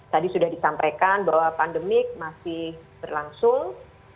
tadi sudah disampaikan bahwa pandemik masih berlangsung